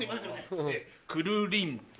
くるりんぱ。